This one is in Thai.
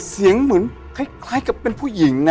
เสียงเหมือนคล้ายกับเป็นผู้หญิงนะ